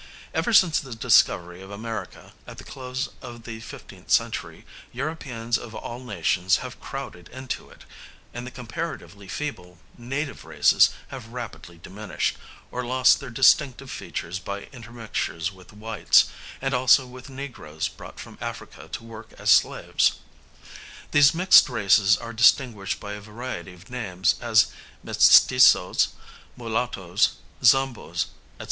Ever since the discovery of America at the close of the fifteenth century Europeans of all nations have crowded into it; and the comparatively feeble native races have rapidly diminished, or lost their distinctive features by intermixtures with whites, and also with negroes brought from Africa to work as slaves. These mixed races are distinguished by a variety of names, as Mestizos, Mulattoes, Zambos, &c.